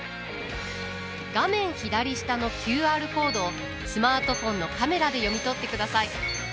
画面左下のＱＲコードをスマートフォンのカメラで読み取ってください。